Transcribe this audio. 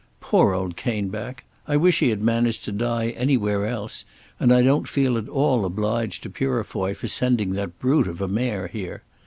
Poor old Caneback! I wish he had managed to die anywhere else and I don't feel at all obliged to Purefoy for sending that brute of a mare here.